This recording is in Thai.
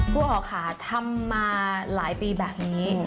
ครูอั๋อค่ะทำมาหลายปีแบบนี้